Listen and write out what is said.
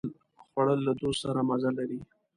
خوړل له دوست سره مزه لري